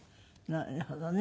なるほどね。